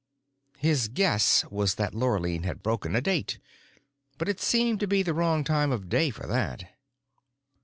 His guess was that Lurline had broken a date—but it seemed to be the wrong time of day for that.